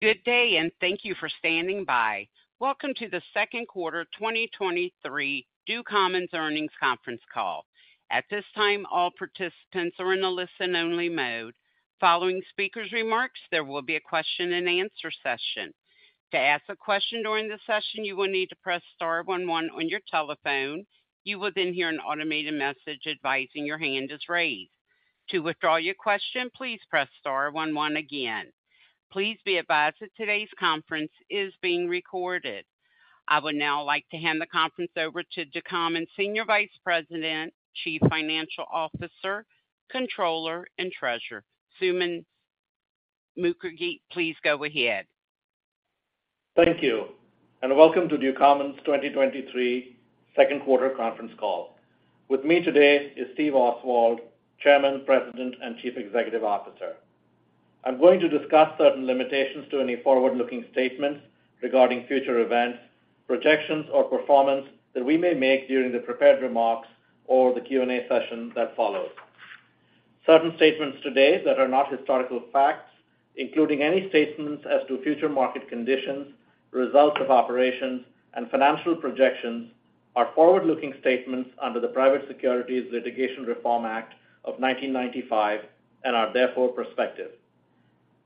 Good day, thank you for standing by. Welcome to the second quarter 2023 Ducommun earnings conference call. At this time, all participants are in a listen-only mode. Following speakers' remarks, there will be a question-and-answer session. To ask a question during the session, you will need to press star one one on your telephone. You will then hear an automated message advising your hand is raised. To withdraw your question, please press star one one again. Please be advised that today's conference is being recorded. I would now like to hand the conference over to Ducommun Senior Vice President, Chief Financial Officer, Controller, and Treasurer. Suman Mookherjee, please go ahead. Thank you, welcome to Ducommun's 2023 second quarter conference call. With me today is Steve Oswald, Chairman, President, and Chief Executive Officer. I'm going to discuss certain limitations to any forward-looking statements regarding future events, projections, or performance that we may make during the prepared remarks or the Q&A session that follows. Certain statements today that are not historical facts, including any statements as to future market conditions, results of operations, and financial projections, are forward-looking statements under the Private Securities Litigation Reform Act of 1995 and are therefore prospective.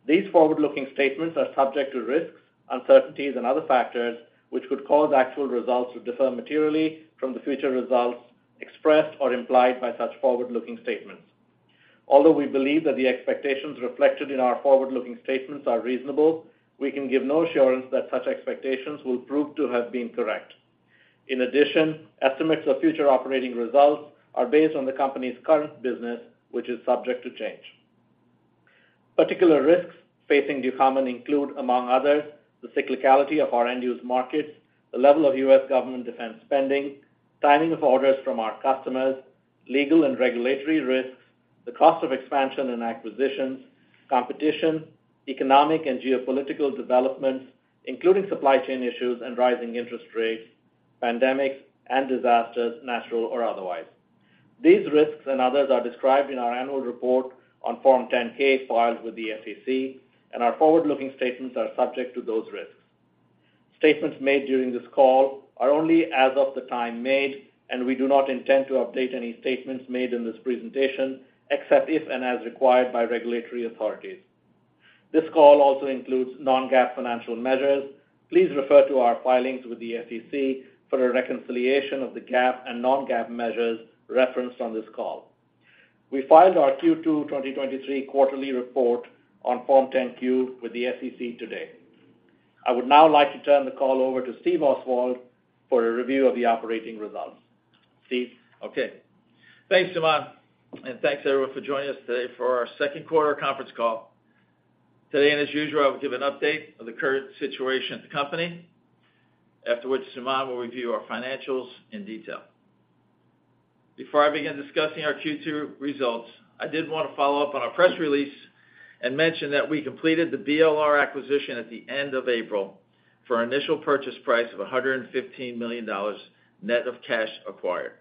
These forward-looking statements are subject to risks, uncertainties, and other factors, which could cause actual results to differ materially from the future results expressed or implied by such forward-looking statements. Although we believe that the expectations reflected in our forward-looking statements are reasonable, we can give no assurance that such expectations will prove to have been correct. In addition, estimates of future operating results are based on the company's current business, which is subject to change. Particular risks facing Ducommun's include, among others, the cyclicality of our end-use markets, the level of U.S. government defense spending, timing of orders from our customers, legal and regulatory risks, the cost of expansion and acquisitions, competition, economic and geopolitical developments, including supply chain issues and rising interest rates, pandemics and disasters, natural or otherwise. These risks and others are described in our annual report on Form 10-K filed with the SEC, and our forward-looking statements are subject to those risks. Statements made during this call are only as of the time made, and we do not intend to update any statements made in this presentation, except if and as required by regulatory authorities. This call also includes non-GAAP financial measures. Please refer to our filings with the SEC for a reconciliation of the GAAP and non-GAAP measures referenced on this call. We filed our Q2 2023 quarterly report on Form 10-Q with the SEC today. I would now like to turn the call over to Steve Oswald for a review of the operating results. Steve? Okay. Thanks, Suman, and thanks, everyone, for joining us today for our second quarter conference call. Today, as usual, I will give an update of the current situation at the company. Afterwards, Suman will review our financials in detail. Before I begin discussing our Q2 results, I did want to follow up on our press release and mention that we completed the BLR acquisition at the end of April for an initial purchase price of $115 million net of cash acquired.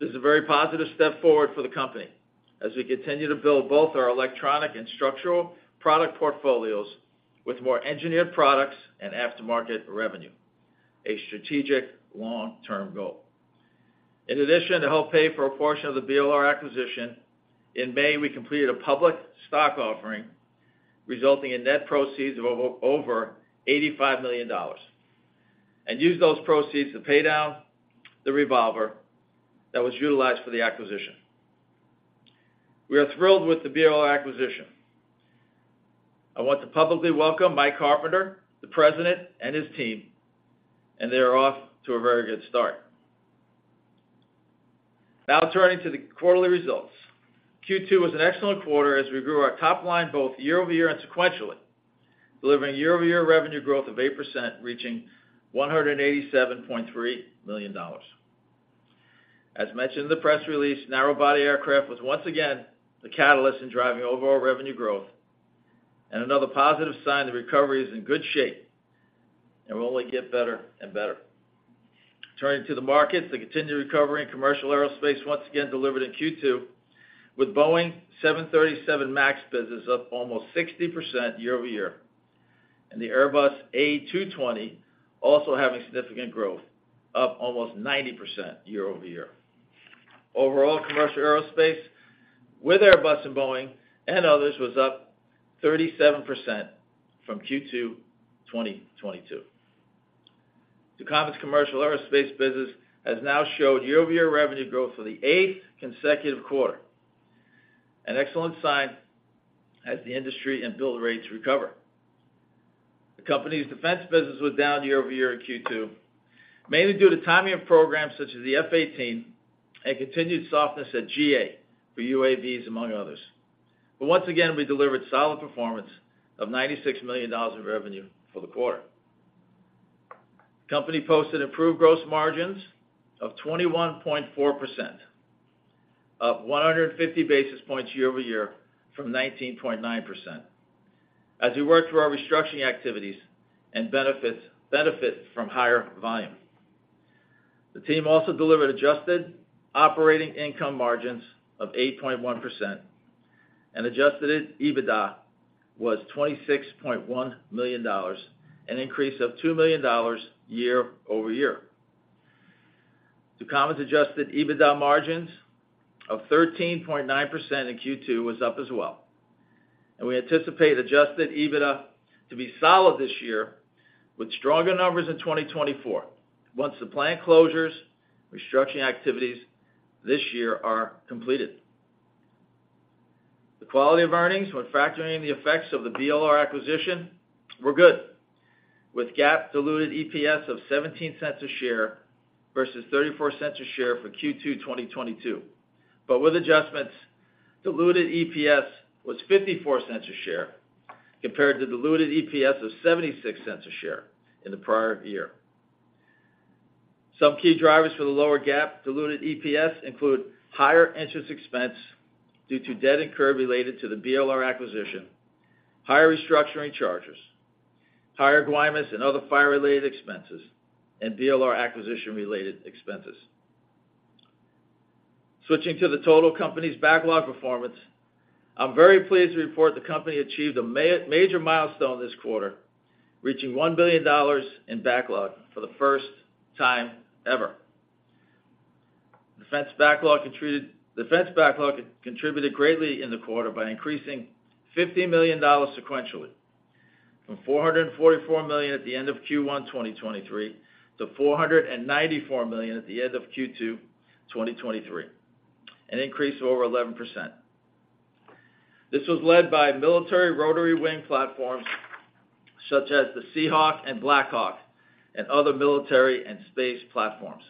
This is a very positive step forward for the company as we continue to build both our electronic and structural product portfolios with more engineered products and aftermarket revenue, a strategic long-term goal. In addition, to help pay for a portion of the BLR acquisition, in May, we completed a public stock offering, resulting in net proceeds of over $85 million, and used those proceeds to pay down the revolver that was utilized for the acquisition. We are thrilled with the BLR acquisition. I want to publicly welcome Mike Carpenter, the President, and his team, and they are off to a very good start. Now turning to the quarterly results. Q2 was an excellent quarter as we grew our top-line both year-over-year and sequentially, delivering year-over-year revenue growth of 8%, reaching $187.3 million. As mentioned in the press release, narrow-body aircraft was once again the catalyst in driving overall revenue growth and another positive sign the recovery is in good shape and will only get better and better. Turning to the markets, the continued recovery in commercial aerospace once again delivered in Q2, with Boeing 737 MAX business up almost 60% year-over-year, and the Airbus A220 also having significant growth, up almost 90% year-over-year. Overall, commercial aerospace with Airbus and Boeing and others was up 37% from Q2 2022. Ducommun's commercial aerospace business has now showed year-over-year revenue growth for the eighth consecutive quarter, an excellent sign as the industry and build rates recover. The company's defense business was down year-over-year in Q2, mainly due to timing of programs such as the F-18 and continued softness at GA for UAVs, among others. Once again, we delivered solid performance of $96 million of revenue for the quarter. Company posted improved gross margins of 21.4%, up 150 basis points year-over-year from 19.9%, as we work through our restructuring activities and benefit from higher volume. The team also delivered adjusted operating income margins of 8.1%, adjusted EBITDA was $26.1 million, an increase of $2 million year-over-year. Ducommun's adjusted EBITDA margins of 13.9% in Q2 was up as well. We anticipate adjusted EBITDA to be solid this year, with stronger numbers in 2024, once the plant closures, restructuring activities this year are completed. The quality of earnings, when factoring the effects of the BLR acquisition, were good, with GAAP diluted EPS of $0.17 a share versus $0.34 a share for Q2 2022. With adjustments, diluted EPS was $0.54 a share, compared to diluted EPS of $0.76 a share in the prior year. Some key drivers for the lower GAAP diluted EPS include higher interest expense due to debt incurred related to the BLR acquisition, higher restructuring charges, higher Guaymas and other fire-related expenses, and BLR acquisition-related expenses. Switching to the total company's backlog performance, I'm very pleased to report the company achieved a major milestone this quarter, reaching $1 billion in backlog for the first time ever. Defense backlog contributed greatly in the quarter by increasing $50 million sequentially, from $444 million at the end of Q1 2023 to $494 million at the end of Q2 2023, an increase of over 11%. This was led by military rotary wing platforms, such as the Seahawk and Blackhawk and other military and space platforms.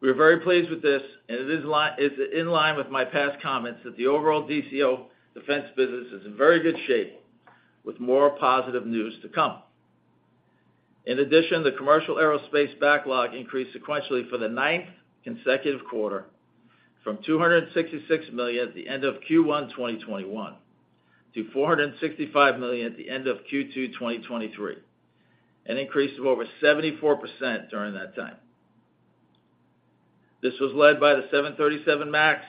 We are very pleased with this, and it's in line with my past comments, that the overall DCO defense business is in very good shape, with more positive news to come. In addition, the commercial aerospace backlog increased sequentially for the ninth consecutive quarter from $266 million at the end of Q1 2021 to $465 million at the end of Q2 2023, an increase of over 74% during that time. This was led by the 737 MAX,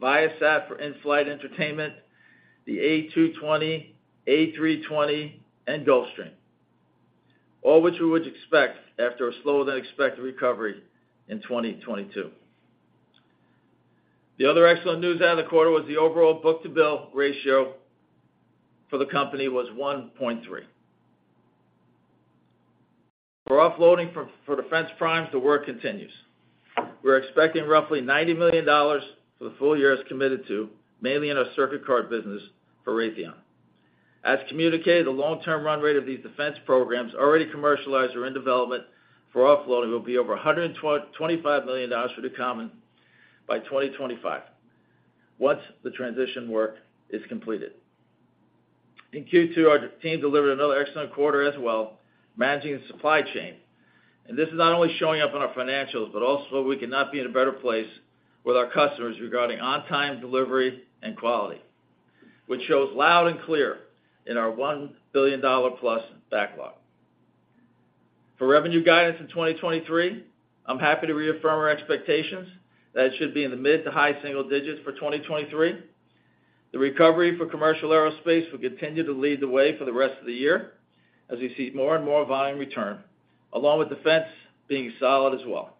Viasat for in-flight entertainment, the A220, A320, and Gulfstream, all which we would expect after a slower-than-expected recovery in 2022. The other excellent news out of the quarter was the overall book-to-bill ratio for the company was 1.3. For offloading for defense primes, the work continues. We're expecting roughly $90 million for the full year as committed to, mainly in our circuit card business for Raytheon. As communicated, the long-term run rate of these defense programs already commercialized or in development for offloading will be over $125 million for Ducommun by 2025, once the transition work is completed. In Q2, our team delivered another excellent quarter as well, managing the supply chain. This is not only showing up in our financials, but also, we cannot be in a better place with our customers regarding on-time delivery and quality, which shows loud and clear in our $1 billion-plus backlog. For revenue guidance in 2023, I'm happy to reaffirm our expectations that it should be in the mid to high single digits for 2023. The recovery for commercial aerospace will continue to lead the way for the rest of the year, as we see more and more volume return, along with defense being solid as well.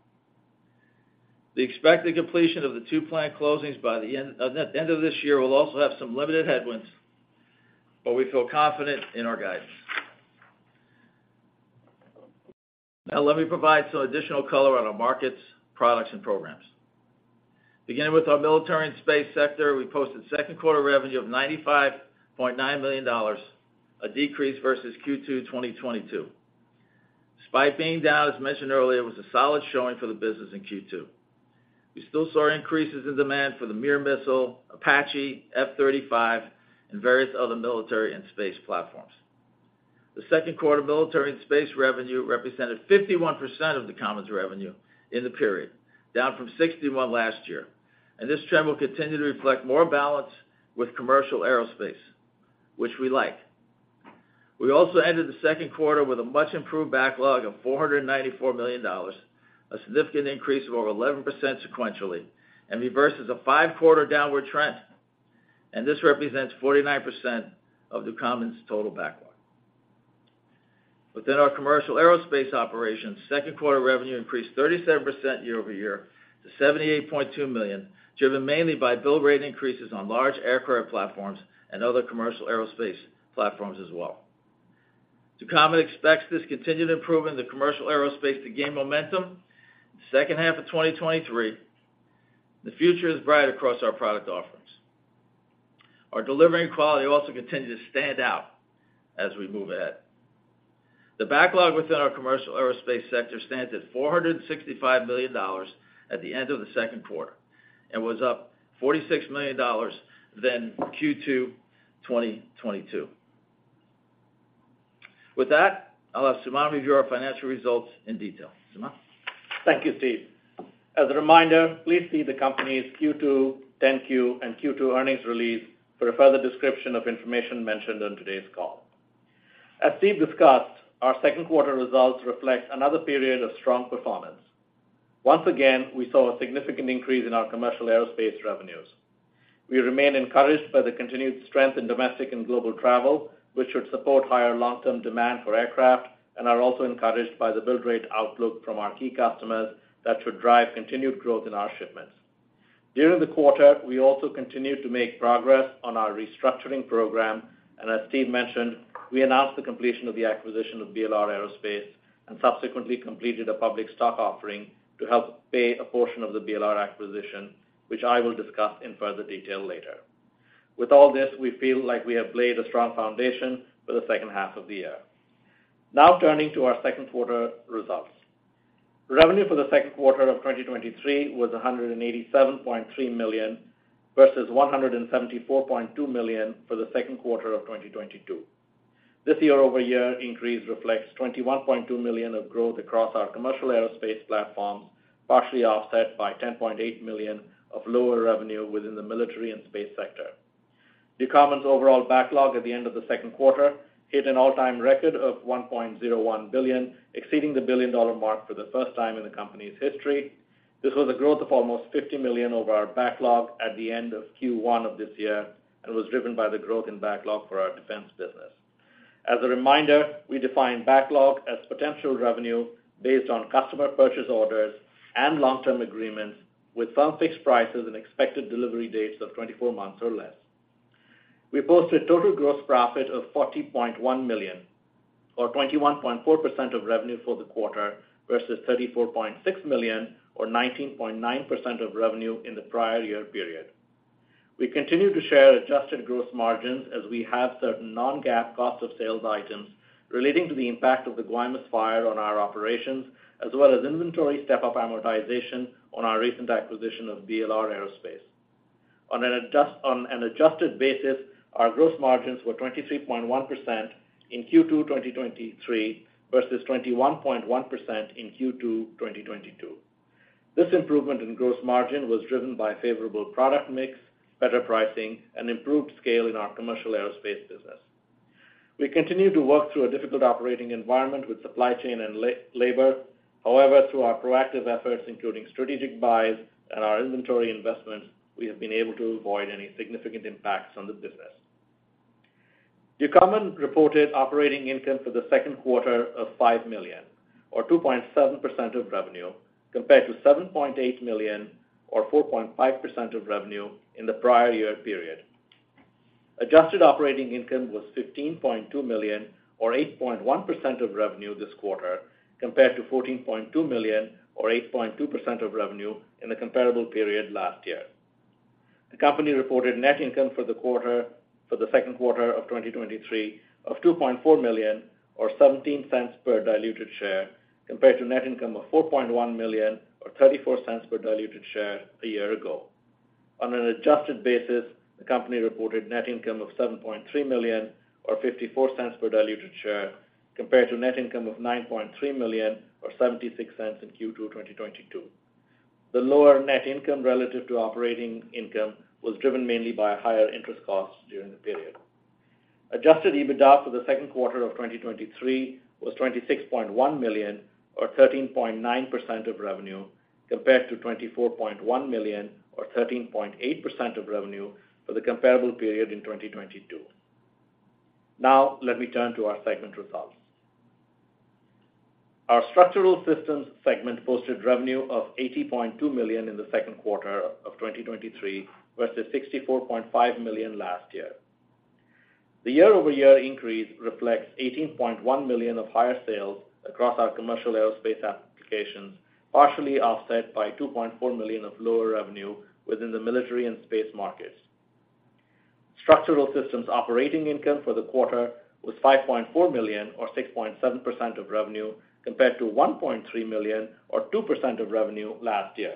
The expected completion of the two plant closings by the end, the end of this year will also have some limited headwinds, but we feel confident in our guidance. Let me provide some additional color on our markets, products, and programs. Beginning with our military and space sector, we posted second quarter revenue of $95.9 million, a decrease versus Q2 2022. Despite being down, as mentioned earlier, it was a solid showing for the business in Q2. We still saw increases in demand for the METEOR missile, Apache, F-35, and various other military and space platforms. The second quarter military and space revenue represented 51% of Ducommun's revenue in the period, down from 61% last year. This trend will continue to reflect more balance with commercial aerospace, which we like. We also ended the second quarter with a much improved backlog of $494 million, a significant increase of over 11% sequentially, and reverses a five-quarter downward trend. This represents 49% of Ducommun's total backlog. Within our commercial aerospace operations, second quarter revenue increased 37% year-over-year to $78.2 million, driven mainly by build rate increases on large aircraft platforms and other commercial aerospace platforms as well. Ducommun expects this continued improvement in the commercial aerospace to gain momentum in the second half of 2023. The future is bright across our product offerings. Our delivery and quality also continue to stand out as we move ahead. The backlog within our commercial aerospace sector stands at $465 million at the end of the second quarter and was up $46 million than Q2 2022. With that, I'll have Suman review our financial results in detail. Suman? Thank you, Steve. As a reminder, please see the company's Q2, 10-Q, and Q2 earnings release for a further description of information mentioned on today's call. As Steve discussed, our second quarter results reflect another period of strong performance. Once again, we saw a significant increase in our commercial aerospace revenues. We remain encouraged by the continued strength in domestic and global travel, which should support higher long-term demand for aircraft, and are also encouraged by the build rate outlook from our key customers that should drive continued growth in our shipments. During the quarter, we also continued to make progress on our restructuring program, and as Steve mentioned, we announced the completion of the acquisition of BLR Aerospace, and subsequently completed a public stock offering to help pay a portion of the BLR acquisition, which I will discuss in further detail later. With all this, we feel like we have laid a strong foundation for the second half of the year. Turning to our second quarter results. Revenue for the second quarter 2023 was $187.3 million versus $174.2 million for Q2 2022. This year-over-year increase reflects $21.2 million of growth across our commercial aerospace platforms, partially offset by $10.8 million of lower revenue within the military and space sector. Ducommun's overall backlog at the end of the second quarter hit an all-time record of $1.01 billion, exceeding the billion-dollar mark for the first time in the company's history. This was a growth of almost $50 million over our backlog at the end of Q1 of this year. Was driven by the growth in backlog for our defense business. As a reminder, we define backlog as potential revenue based on customer purchase orders and long-term agreements, with some fixed prices and expected delivery dates of 24 months or less. We posted total gross profit of $40.1 million, or 21.4% of revenue for the quarter, versus $34.6 million, or 19.9% of revenue in the prior year period. We continue to share adjusted gross margins as we have certain non-GAAP cost of sales items relating to the impact of the Guaymas fire on our operations, as well as inventory step-up amortization on our recent acquisition of BLR Aerospace. On an adjusted basis, our gross margins were 23.1% in Q2 2023, versus 21.1% in Q2 2022. This improvement in gross margin was driven by favorable product mix, better pricing, and improved scale in our commercial aerospace business. We continue to work through a difficult operating environment with supply chain and labor. However, through our proactive efforts, including strategic buys and our inventory investments, we have been able to avoid any significant impacts on the business. Ducommun reported operating income for the second quarter of $5 million, or 2.7% of revenue, compared to $7.8 million, or 4.5% of revenue in the prior year period. Adjusted operating income was $15.2 million, or 8.1% of revenue this quarter, compared to $14.2 million, or 8.2% of revenue in the comparable period last year. The company reported net income for the second quarter of 2023 of $2.4 million or $0.17 per diluted share, compared to net income of $4.1 million or $0.34 per diluted share a year ago. On an adjusted basis, the company reported net income of $7.3 million or $0.54 per diluted share, compared to net income of $9.3 million or $0.76 in Q2 2022. The lower net income relative to operating income was driven mainly by higher interest costs during the period. Adjusted EBITDA for the second quarter of 2023 was $26.1 million, or 13.9% of revenue, compared to $24.1 million, or 13.8% of revenue for the comparable period in 2022. Let me turn to our segment results. Our structural systems segment posted revenue of $80.2 million in the second quarter of 2023, versus $64.5 million last year. The year-over-year increase reflects $18.1 million of higher sales across our commercial aerospace applications, partially offset by $2.4 million of lower revenue within the military and space markets. structural systems operating income for the quarter was $5.4 million or 6.7% of revenue, compared to $1.3 million or 2% of revenue last year.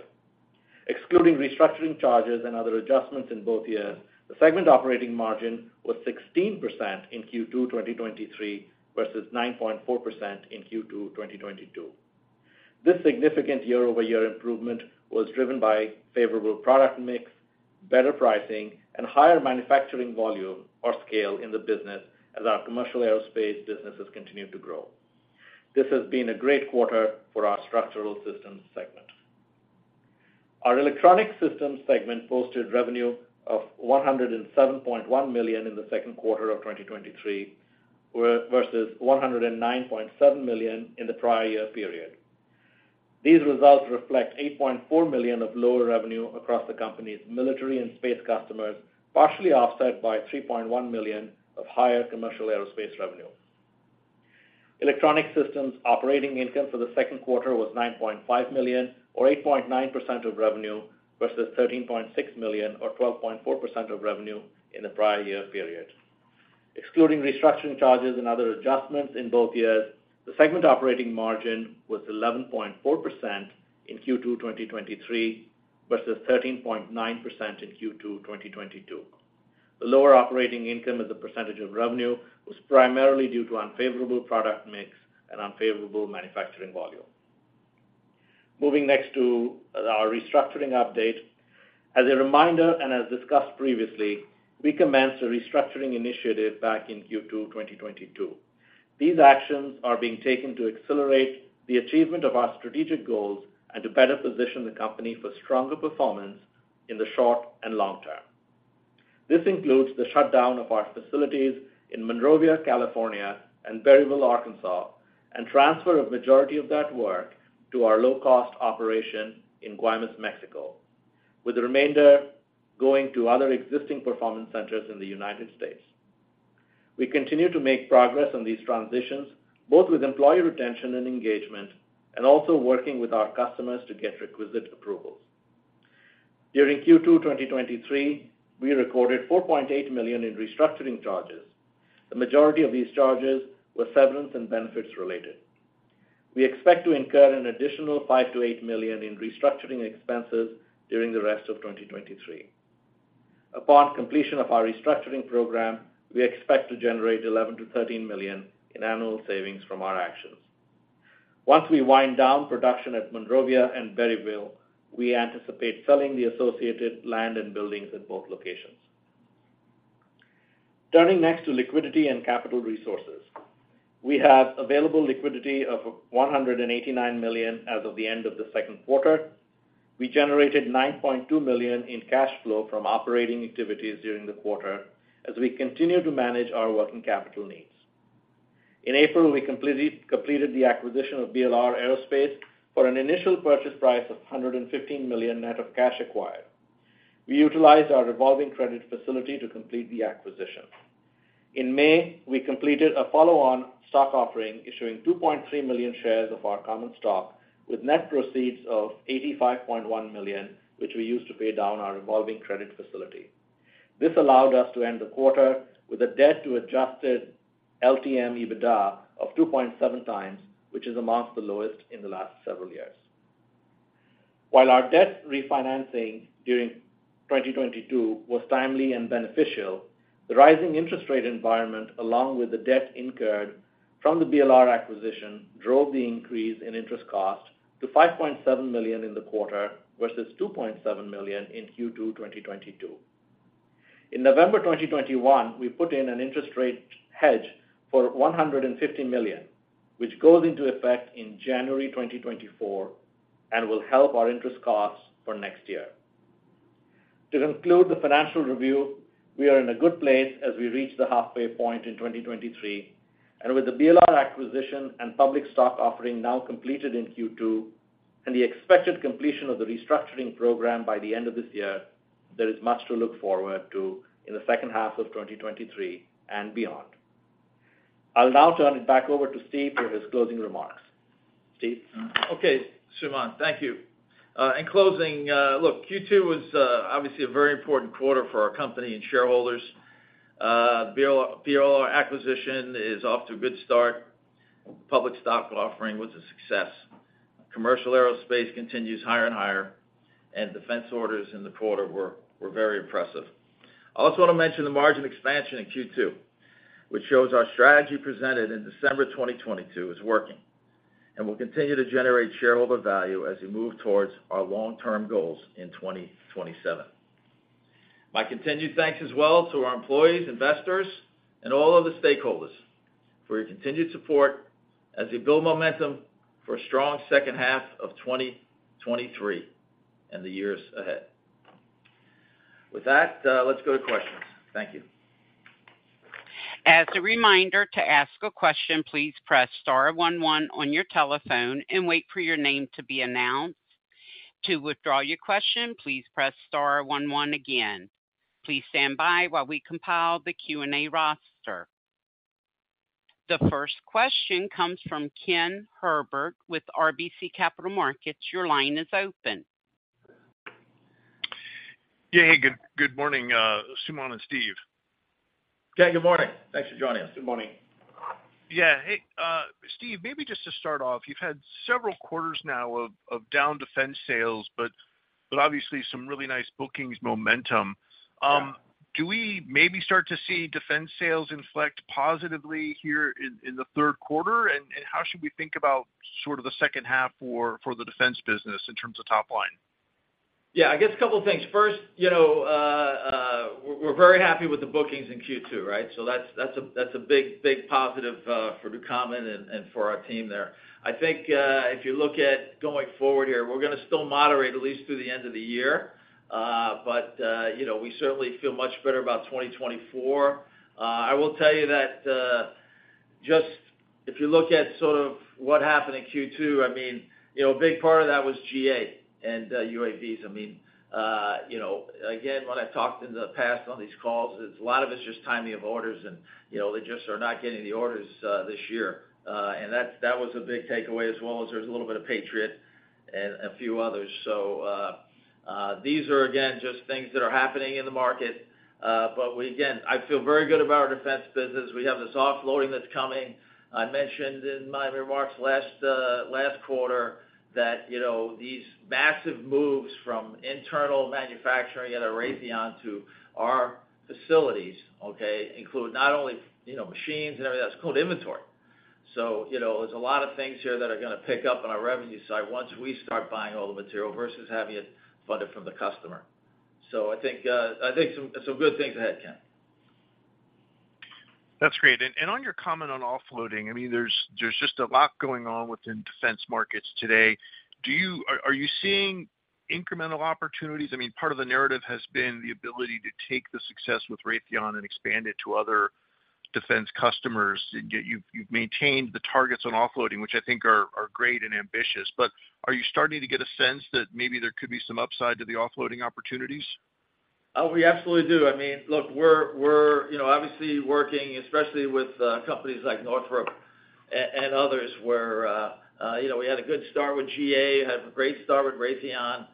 Excluding restructuring charges and other adjustments in both years, the segment operating margin was 16% in Q2 2023, versus 9.4% in Q2 2022. This significant year-over-year improvement was driven by favorable product mix, better pricing, and higher manufacturing volume or scale in the business as our commercial aerospace businesses continue to grow. This has been a great quarter for our structural systems segment. Our electronic systems segment posted revenue of $107.1 million in the second quarter of 2023, versus $109.7 million in the prior year period. These results reflect $8.4 million of lower revenue across the company's military and space customers, partially offset by $3.1 million of higher commercial aerospace revenue. Electronic systems operating income for the second quarter was $9.5 million or 8.9% of revenue, versus $13.6 million or 12.4% of revenue in the prior year period. Excluding restructuring charges and other adjustments in both years, the segment operating margin was 11.4% in Q2 2023, versus 13.9% in Q2 2022. The lower operating income as a percentage of revenue was primarily due to unfavorable product mix and unfavorable manufacturing volume. Moving next to our restructuring update. As a reminder, and as discussed previously, we commenced a restructuring initiative back in Q2 2022. These actions are being taken to accelerate the achievement of our strategic goals and to better position the company for stronger performance in the short and long term. This includes the shutdown of our facilities in Monrovia, California, and Berryville, Arkansas, and transfer of majority of that work to our low-cost operation in Guaymas, Mexico, with the remainder going to other existing performance centers in the United States. We continue to make progress on these transitions, both with employee retention and engagement, and also working with our customers to get requisite approvals. During Q2 2023, we recorded $4.8 million in restructuring charges. The majority of these charges were severance and benefits related. We expect to incur an additional $5 million-$8 million in restructuring expenses during the rest of 2023. Upon completion of our restructuring program, we expect to generate $11 million-$13 million in annual savings from our actions. Once we wind down production at Monrovia and Berryville, we anticipate selling the associated land and buildings at both locations. Turning next to liquidity and capital resources. We have available liquidity of $189 million as of the end of the second quarter. We generated $9.2 million in cash flow from operating activities during the quarter as we continue to manage our working capital needs. In April, we completed the acquisition of BLR Aerospace for an initial purchase price of $115 million net of cash acquired. We utilized our revolving credit facility to complete the acquisition. In May, we completed a follow-on stock offering, issuing 2.3 million shares of our common stock, with net proceeds of $85.1 million, which we used to pay down our revolving credit facility. This allowed us to end the quarter with a debt to adjusted LTM EBITDA of 2.7x, which is amongst the lowest in the last several years. While our debt refinancing during 2022 was timely and beneficial, the rising interest rate environment, along with the debt incurred from the BLR acquisition, drove the increase in interest costs to $5.7 million in the quarter, versus $2.7 million in Q2 2022. In November 2021, we put in an interest rate hedge for $150 million, which goes into effect in January 2024 and will help our interest costs for next year. To conclude the financial review, we are in a good place as we reach the halfway point in 2023, and with the BLR acquisition and public stock offering now completed in Q2, and the expected completion of the restructuring program by the end of this year, there is much to look forward to in the second half of 2023 and beyond. I'll now turn it back over to Steve for his closing remarks. Steve? Okay, Suman, thank you. In closing, look, Q2 was obviously a very important quarter for our company and shareholders. BLR, BLR acquisition is off to a good start. Public stock offering was a success. Commercial aerospace continues higher and higher, and defense orders in the quarter were very impressive. I also want to mention the margin expansion in Q2, which shows our strategy presented in December 2022 is working and will continue to generate shareholder value as we move towards our long-term goals in 2027. My continued thanks as well to our employees, investors, and all of the stakeholders for your continued support as we build momentum for a strong second half of 2023 and the years ahead. With that, let's go to questions. Thank you. As a reminder, to ask a question, please press star one one on your telephone and wait for your name to be announced. To withdraw your question, please press star one one again. Please stand by while we compile the Q&A roster. The first question comes from Ken Herbert with RBC Capital Markets. Your line is open. Yeah, hey, good, good morning, Suman and Steve. Ken, good morning. Thanks for joining us. Good morning. Yeah. Hey, Steve, maybe just to start off, you've had several quarters now of, of down defense sales, but, but obviously some really nice bookings momentum. Do we maybe start to see defense sales inflect positively here in, in the third quarter? How should we think about sort of the second half for, for the defense business in terms of top-line? Yeah, I guess a couple of things. First, you know, we're, we're very happy with the bookings in Q2, right? That's, that's a, that's a big, big positive for Ducommun and, and for our team there. I think, if you look at going forward here, we're gonna still moderate at least through the end of the year. You know, we certainly feel much better about 2024. I will tell you that, just if you look at sort of what happened in Q2, I mean, you know, a big part of that was GA and UAVs. I mean, you know, again, when I've talked in the past on these calls, it's a lot of it's just timing of orders and, you know, they just are not getting the orders, this year. That's, that was a big takeaway as well as there's a little bit of Patriot and a few others. These are, again, just things that are happening in the market, but I feel very good about our defense business. We have this offloading that's coming. I mentioned in my remarks last last quarter that, you know, these massive moves from internal manufacturing at Raytheon to our facilities, okay, include not only, you know, machines and everything, that's called inventory. You know, there's a lot of things here that are gonna pick up on our revenue side once we start buying all the material versus having it funded from the customer. I think, I think some, some good things ahead, Ken. That's great. On your comment on offloading, I mean, there's just a lot going on within defense markets today. Are you seeing incremental opportunities? I mean, part of the narrative has been the ability to take the success with Raytheon and expand it to other defense customers. Yet you've maintained the targets on offloading, which I think are great and ambitious. Are you starting to get a sense that maybe there could be some upside to the offloading opportunities? We absolutely do. I mean, look, we're, we're, you know, obviously working, especially with companies like Northrop and others, where, you know, we had a good start with GA, had a great start with Raytheon.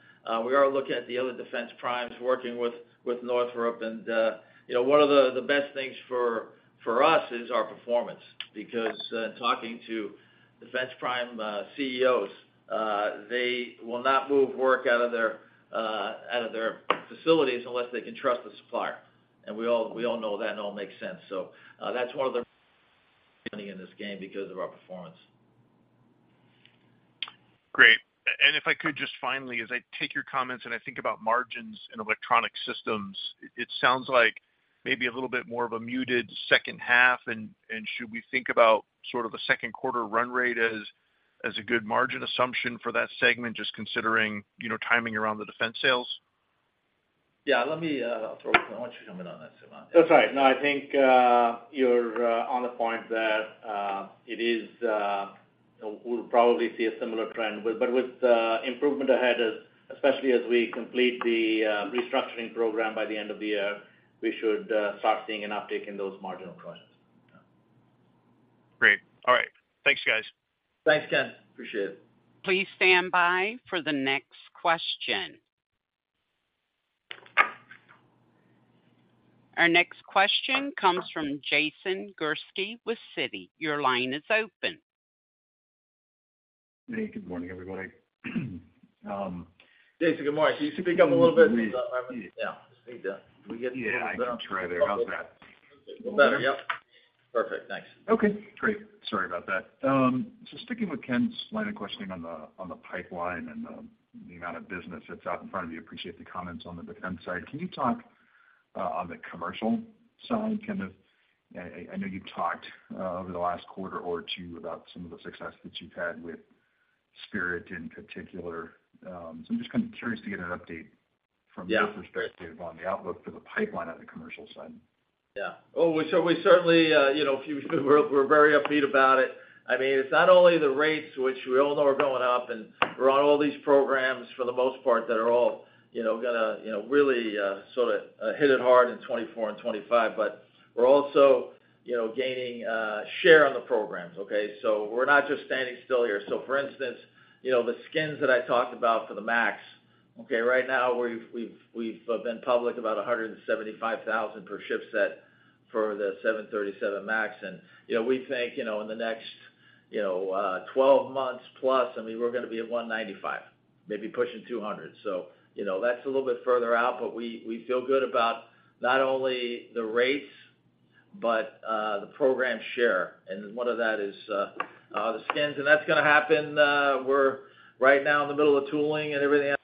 We are looking at the other defense primes, working with Northrop. You know, one of the best things for, for us is our performance, because talking to defense prime CEOs, they will not move work out of their facilities unless they can trust the supplier. We all know that, and it all makes sense. That's one of the in this game because of our performance. Great. If I could just finally, as I take your comments, and I think about margins and electronic systems, it sounds like maybe a little bit more of a muted second half. Should we think about sort of a second quarter run rate as, as a good margin assumption for that segment, just considering, you know, timing around the defense sales? Yeah, let me, I'll throw... I want you to come in on that, Suman. That's right. No, I think, you're on the point that, it is, we'll probably see a similar trend. With improvement ahead, especially as we complete the restructuring program by the end of the year, we should start seeing an uptick in those marginal profits. Great. All right. Thanks, guys. Thanks, Ken. Appreciate it. Please stand by for the next question. Our next question comes from Jason Gursky with Citi. Your line is open. Hey, good morning, everybody. Jason, good morning. Can you speak up a little bit? Yeah. Yeah, I can try there. How's that? Better. Yep. Perfect. Thanks. Okay, great. Sorry about that. Sticking with Ken's line of questioning on the, on the pipeline and the, the amount of business that's out in front of you, appreciate the comments on the defense side. Can you talk on the commercial side, I, I know you've talked over the last quarter or two about some of the success that you've had with Spirit in particular. I'm just curious to get an update from- Yeah your perspective on the outlook for the pipeline on the commercial side. We certainly, you know, we're, we're very upbeat about it. I mean, it's not only the rates, which we all know are going up, and we're on all these programs for the most part, that are all, you know, gonna, you know, really, sort of, hit it hard in 2024 and 2025, but we're also, you know, gaining, share on the programs, okay? We're not just standing still here. For instance, you know, the skins that I talked about for the MAX, okay, right now, we've, we've, we've, been public about 175,000 per ship set for the 737 MAX. You know, we think, you know, in the next, you know, 12+ months, I mean, we're gonna be at 195, maybe pushing 200. You know, that's a little bit further out, but we, we feel good about not only the rates, but the program share, and one of that is the skins. That's gonna happen, we're right now in the middle of tooling and everything.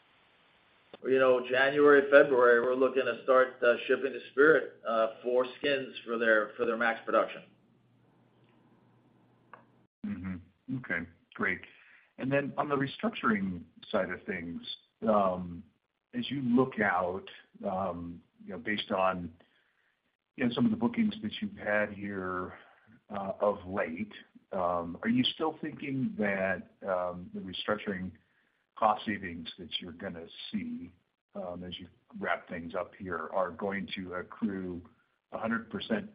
You know, January, February, we're looking to start shipping to Spirit, for skins for their, for their MAX production. Okay, great. Then on the restructuring side of things, as you look out, you know, based on, you know, some of the bookings that you've had here, of late, are you still thinking that the restructuring cost savings that you're gonna see, as you wrap things up here, are going to accrue 100%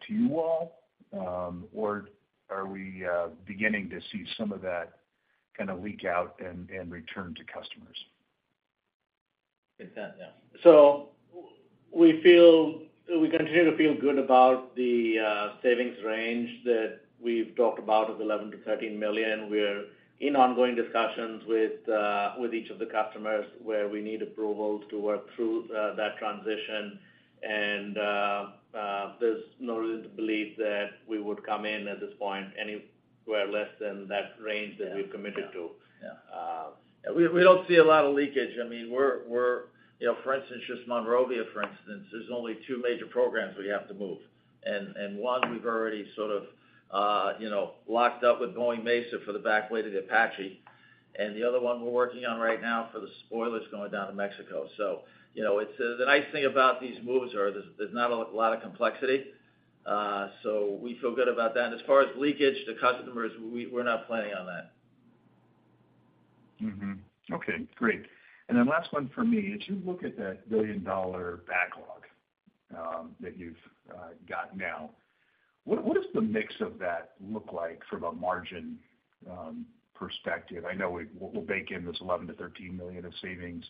to you all? Or are we beginning to see some of that kind of leak out and, and return to customers? We feel-- we continue to feel good about the savings range that we've talked about of $11 million-$13 million. We're in ongoing discussions with each of the customers where we need approvals to work through that transition. There's no reason to believe that we would come in at this point, anywhere less than that range that we've committed to. Yeah. We, we don't see a lot of leakage. I mean, we're. You know, for instance, just Monrovia, for instance, there's only two major programs we have to move. One, we've already sort of, you know, locked up with Boeing Mesa for the backplate of the Apache. The other one we're working on right now for the spoilers going down to Mexico. You know, it's the nice thing about these moves are, there's not a lot of complexity, so we feel good about that. As far as leakage to customers, we're not planning on that. Okay, great. Last one for me. As you look at that billion-dollar backlog, that you've got now, What, what does the mix of that look like from a margin, perspective? I know we'll bake in this $11 million-$13 million of savings.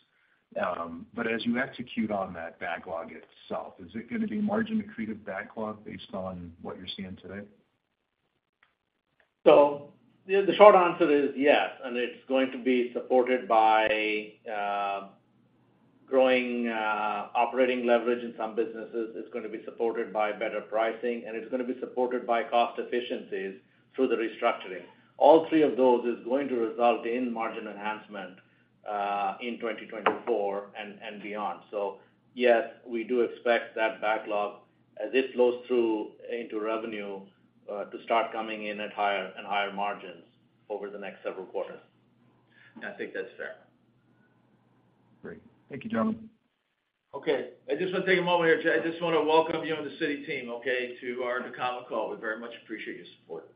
But as you execute on that backlog itself, is it gonna be margin-accretive backlog based on what you're seeing today? The, the short answer is yes, and it's gonna be supported by growing operating leverage in some businesses. It's gonna be supported by better pricing, and it's gonna be supported by cost efficiencies through the restructuring. All three of those is going to result in margin enhancement in 2024 and, and beyond. Yes, we do expect that backlog, as it flows through into revenue, to start coming in at higher and higher margins over the next several quarters. I think that's fair. Great. Thank you, gentlemen. Okay. I just wanna take a moment here. I just wanna welcome you on the Citi team, okay, to our Ducommun call. We very much appreciate your support.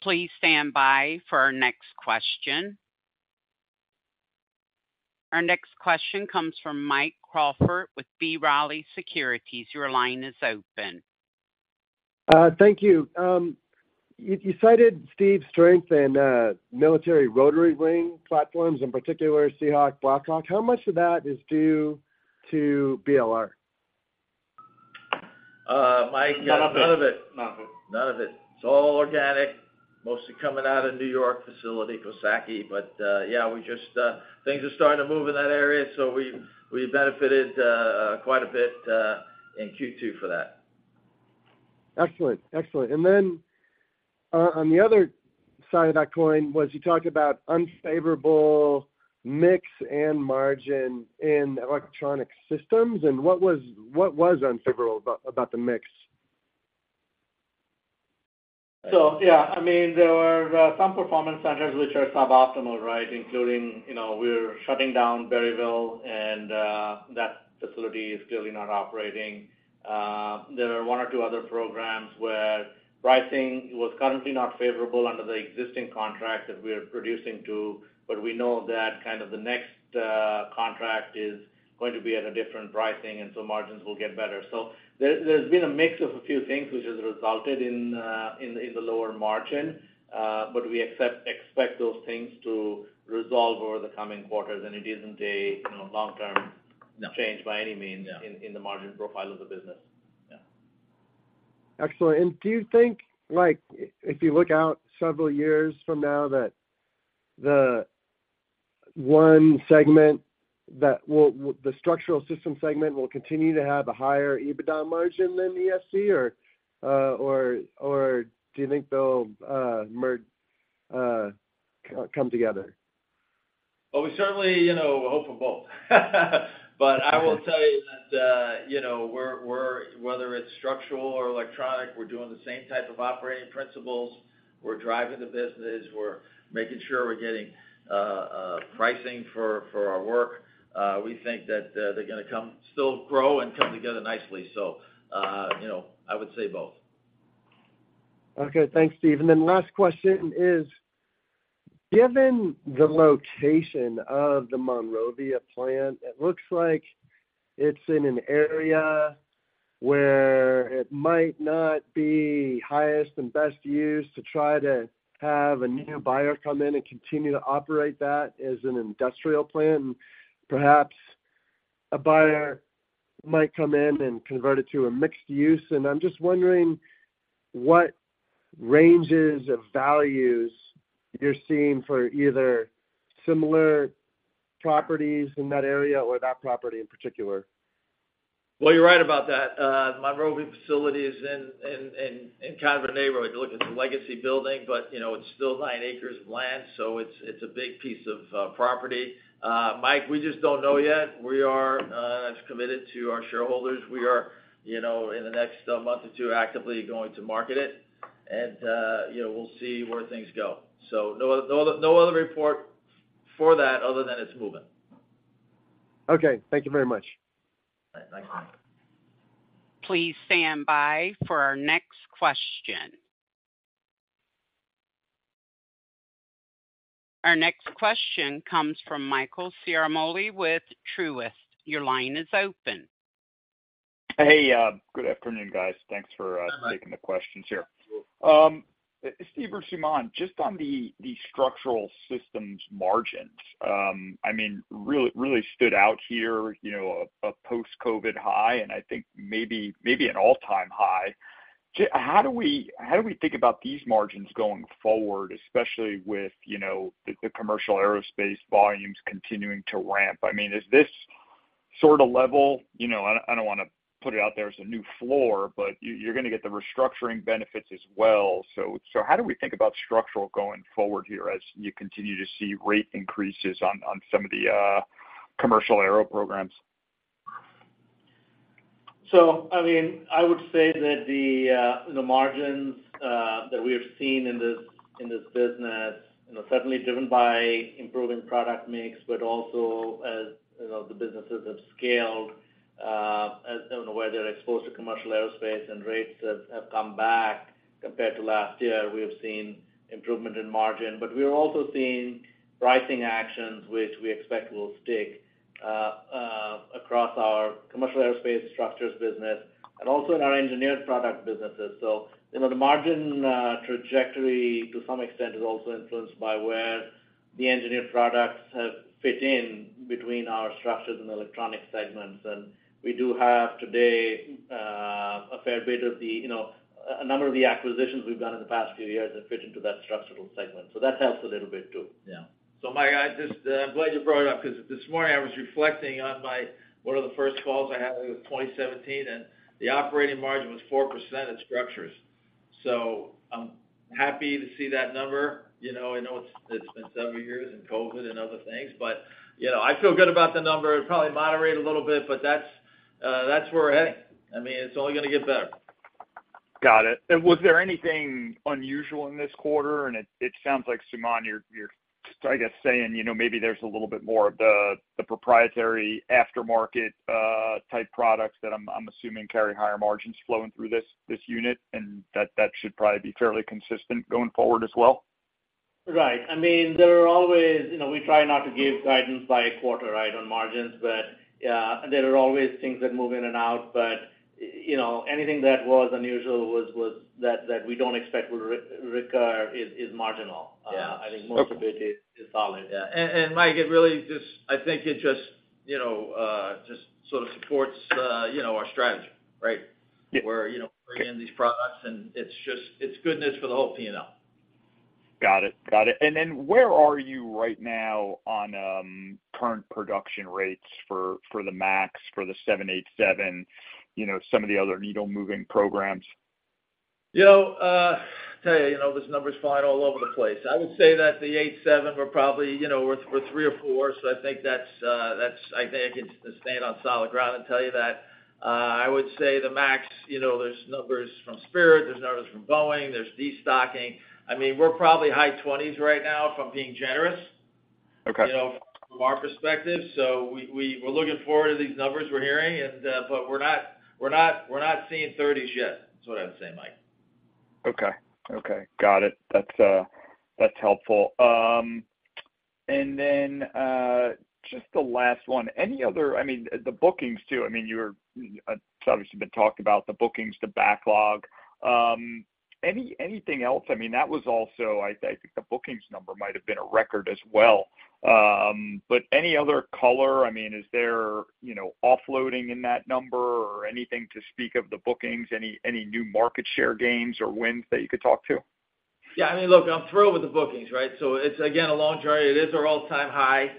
Please stand by for our next question. Our next question comes from Mike Crawford with B. Riley Securities. Your line is open. Thank you. You, you cited, Steve, strength in military rotary wing platforms, in particular, Seahawk, Black Hawk. How much of that is due to BLR? Mike, none of it. None of it. None of it. It's all organic, mostly coming out of New York facility, Coxsackie. Yeah, we just. Things are starting to move in that area, so we've, we've benefited quite a bit in Q2 for that. Excellent. Excellent. On the other side of that coin, was you talked about unfavorable mix and margin in electronic systems, and what was unfavorable about the mix? Yeah, I mean, there were some performance centers which are suboptimal, right? Including, you know, we're shutting down Berryville, and that facility is clearly not operating. There are one or two other programs where pricing was currently not favorable under the existing contract that we are producing to, but we know that kind of the next contract is going to be at a different pricing, and so margins will get better. There, there's been a mix of a few things which has resulted in the lower margin, but we expect those things to resolve over the coming quarters, and it isn't a, you know, long-term- No... change by any means- Yeah ...in the margin profile of the business. Yeah. Excellent. Do you think, like, if you look out several years from now, that the one segment that will, the structural system segment will continue to have a higher EBITDA margin than ESC, or, or do you think they'll merge, come together? Well, we certainly, you know, hope for both. I will tell you that, you know, we're, we're, whether it's structural or electronic, we're doing the same type of operating principles. We're driving the businesses. We're making sure we're getting pricing for our work. We think that they're gonna come, still grow and come together nicely. You know, I would say both. Okay. Thanks, Steve. Last question is, given the location of the Monrovia plant, it looks like it's in an area where it might not be highest and best use to try to have a new buyer come in and continue to operate that as an industrial plant. Perhaps a buyer might come in and convert it to a mixed use. I'm just wondering what ranges of values you're seeing for either similar properties in that area or that property in particular? Well, you're right about that. Monrovia facility is in kind of a neighborhood. You look, it's a legacy building, but you know, it's still nine acres of land, so it's, it's a big piece of property. Mike, we just don't know yet. We are committed to our shareholders. We are, you know, in the next month or two, actively going to market it, and, you know, we'll see where things go. No other report for that other than it's moving. Okay, thank you very much. Bye. Thanks, Mike. Please stand by for our next question. Our next question comes from Michael Ciarmoli with Truist. Your line is open. Hey, good afternoon, guys. Thanks for- Hi... taking the questions here. Steve or Suman, just on the, the structural systems margins, I mean, really, really stood out here, you know, a, a post-COVID high, and I think maybe, maybe an all-time high. How do we, how do we think about these margins going forward, especially with, you know, the, the commercial aerospace volumes continuing to ramp? I mean, is this sort of level, you know, I, I don't wanna put it out there as a new floor, but you, you're gonna get the restructuring benefits as well. So how do we think about structural going forward here as you continue to see rate increases on, on some of the commercial aero programs? I mean, I would say that the margins that we have seen in this, in this business, you know, certainly driven by improving product mix, but also as, you know, the businesses have scaled, as, you know, where they're exposed to commercial aerospace and rates have, have come back. Compared to last year, we have seen improvement in margin, but we are also seeing pricing actions, which we expect will stick across our commercial aerospace structures business and also in our engineered product businesses. You know, the margin trajectory, to some extent, is also influenced by where the engineered products have fit in between our structures and electronic segments. We do have, today, a fair bit of the, you know, a number of the acquisitions we've done in the past few years that fit into that structural segment. That helps a little bit, too. Yeah. Mike, I just, I'm glad you brought it up, because this morning I was reflecting on my, one of the first calls I had in 2017, and the operating margin was 4% in structures. I'm happy to see that number. You know, I know it's, it's been several years and COVID and other things, but, you know, I feel good about the number. It'll probably moderate a little bit, but that's, that's where we're heading. I mean, it's only gonna get better. Got it. Was there anything unusual in this quarter? It sounds like, Suman, you're, I guess, saying, you know, maybe there's a little bit more of the proprietary aftermarket type products that I'm assuming carry higher margins flowing through this unit, and that should probably be fairly consistent going forward as well. Right. I mean, there are always... You know, we try not to give guidance by quarter, right, on margins, but, yeah, there are always things that move in and out. You know, anything that was unusual was, was that, that we don't expect will recur is, is marginal. Yeah. I think most of it is, is solid. Yeah. And Mike, it really just-- I think it just, you know, just sort of supports, you know, our strategy, right? Yeah. Where, you know, bringing these products in, and it's just, it's good news for the whole P&L. Got it. Got it. Then where are you right now on, current production rates for, for the MAX, for the 787, you know, some of the other needle-moving programs? You know, tell you, you know, this number is flying all over the place. I would say that the 87, we're probably, you know, we're three or four. I think that's, that's, I think I can stand on solid ground and tell you that. I would say the MAX, you know, there's numbers from Spirit, there's numbers from Boeing, there's destocking. I mean, we're probably high 20s right now, if I'm being generous. Okay. you know, from our perspective. We, we, we're looking forward to these numbers we're hearing, and, but we're not, we're not, we're not seeing 30s yet, is what I would say, Mike. Okay. Okay. Got it. That's, that's helpful. Just the last one. I mean, the bookings, too, I mean, you're, obviously been talked about the bookings, the backlog. Anything else? I mean, that was also, I, I think the bookings number might have been a record as well. Any other color? I mean, is there, you know, offloading in that number or anything to speak of the bookings? Any, any new market share gains or wins that you could talk to? Yeah, I mean, look, I'm thrilled with the bookings, right? It's, again, a long journey. It is our all-time high.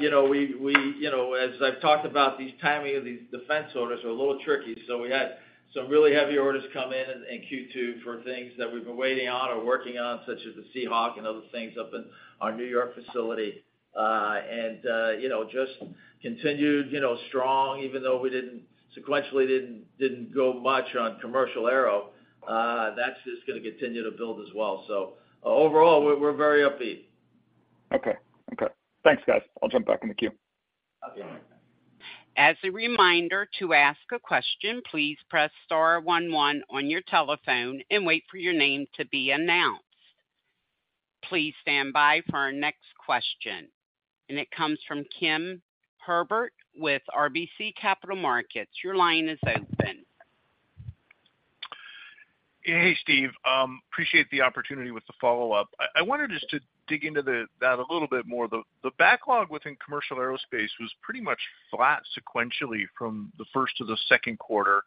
We, as I've talked about, these timing of these defense orders are a little tricky. We had some really heavy orders come in in Q2 for things that we've been waiting on or working on, such as the Seahawk and other things up in our New York facility. And, just continued, strong, even though we didn't, sequentially didn't grow much on commercial aero, that's just gonna continue to build as well. Overall, we're, we're very upbeat. Okay. Okay. Thanks, guys. I'll jump back in the queue. Okay. As a reminder, to ask a question, please press star one one on your telephone and wait for your name to be announced. Please stand by for our next question, and it comes from Ken Herbert with RBC Capital Markets. Your line is open. Hey, Steve. Appreciate the opportunity with the follow-up. I, I wanted just to dig into that a little bit more. The backlog within commercial aerospace was pretty much flat sequentially from the first to the second quarter.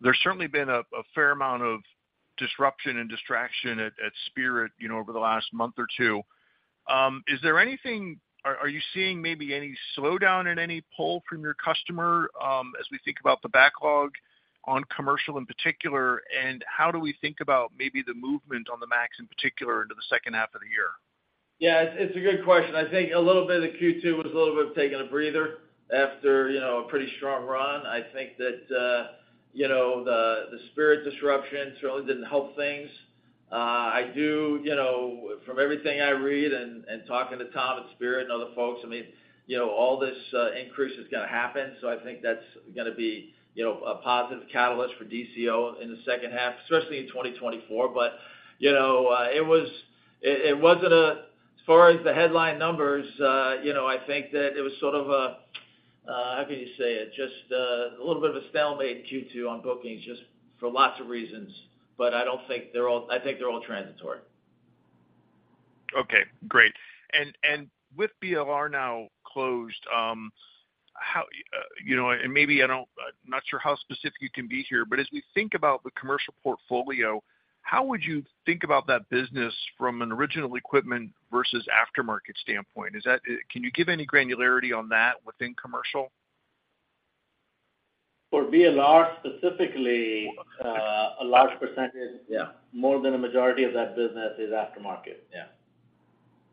There's certainly been a, a fair amount of disruption and distraction at, at Spirit, you know, over the last month or two. Is there anything? Are you seeing maybe any slowdown in any pull from your customer, as we think about the backlog on commercial in particular, and how do we think about maybe the movement on the MAX, in particular, into the second half of the year? Yeah, it's, it's a good question. I think a little bit of the Q2 was a little bit of taking a breather after, you know, a pretty strong run. I think that, you know, the, the Spirit disruption certainly didn't help things. I do, you know, from everything I read and, and talking to Tom at Spirit and other folks, I mean, you know, all this, increase is gonna happen. I think that's gonna be, you know, a positive catalyst for DCO in the second half, especially in 2024. You know, it wasn't a, as far as the headline numbers, you know, I think that it was sort of a, how can you say it? Just, a little bit of a stalemate in Q2 on bookings, just for lots of reasons, but I don't think they're all, I think they're all transitory. Okay, great. With BLR now closed, you know, and maybe I'm not sure how specific you can be here, but as we think about the commercial portfolio, how would you think about that business from an original equipment versus aftermarket standpoint? Is that, can you give any granularity on that within commercial? For BLR, specifically, a large percentage- Yeah... more than a majority of that business is aftermarket. Yeah.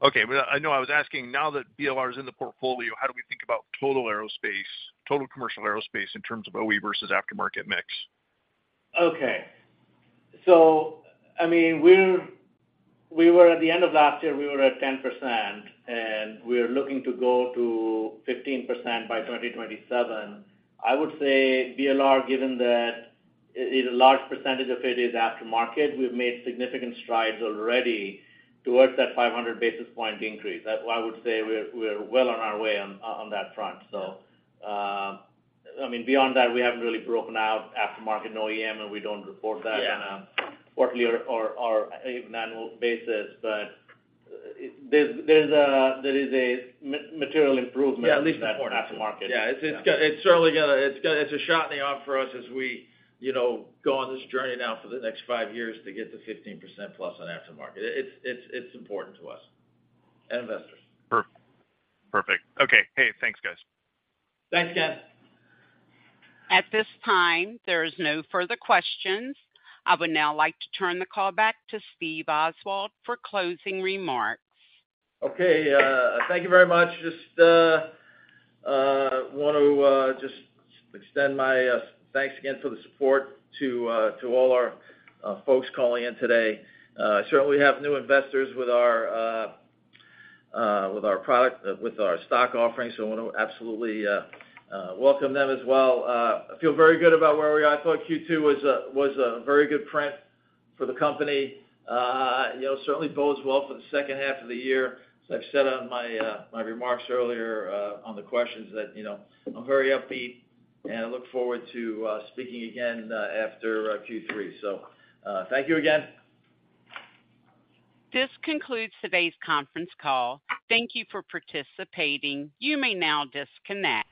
Okay. I know I was asking, now that BLR is in the portfolio, how do we think about total aerospace, total commercial aerospace in terms of OE versus aftermarket mix? I mean, we were at the end of last year, we were at 10%, and we're looking to go to 15% by 2027. I would say BLR, given that it, a large percentage of it is aftermarket, we've made significant strides already towards that 500 basis point increase. That, I would say we're, we're well on our way on, on that front. I mean, beyond that, we haven't really broken out aftermarket and OEM, and we don't report that- Yeah ...on a quarterly or annual basis, but there is a material improvement- Yeah, at least important. ...in that aftermarket. Yeah, it's, it's certainly gonna, it's gonna, it's a shot in the arm for us as we, you know, go on this journey now for the next five years to get to 15% plus on aftermarket. It's, it's, it's important to us and investors. Perfect. Okay. Hey, thanks, guys. Thanks, guys. At this time, there is no further questions. I would now like to turn the call back to Steve Oswald for closing remarks. Thank you very much. Just want to just extend my thanks again for the support to all our folks calling in today. Certainly have new investors with our product, with our stock offering, so I want to absolutely welcome them as well. I feel very good about where we are. I thought Q2 was a very good print for the company. You know, certainly bodes well for the second half of the year. As I've said on my remarks earlier, on the questions that, you know, I'm very upbeat, and I look forward to speaking again after Q3. Thank you again. This concludes today's conference call. Thank you for participating. You may now disconnect.